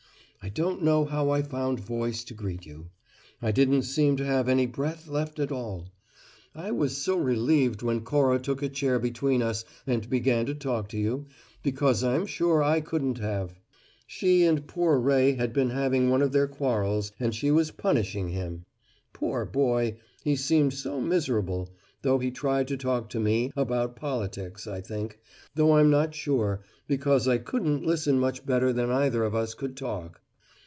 I don't know how I found voice to greet you. I didn't seem to have any breath left at all. I was so relieved when Cora took a chair between us and began to talk to you, because I'm sure I couldn't have. She and poor Ray had been having one of their quarrels and she was punishing him. Poor boy, he seemed so miserable though he tried to talk to me about politics, I think, though I'm not sure, because I couldn't listen much better than either of us could talk.